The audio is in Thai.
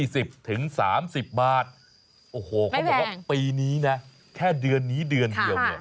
ไม่แพงอ๋อพี่บ๊วยก็บอกว่าปีนี้นะแค่เดือนนี้เดือนเดียว